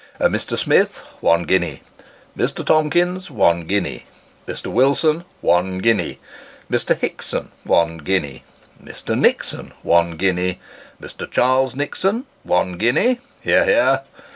" Mr. Smith, one guinea Mr. Tompkins, one guinea Mr. Wilson, one guinea Mr. Hickson, one guinea Mr. Nixon, one guinea Mr. Charles Nixon, one guinea [hear, hear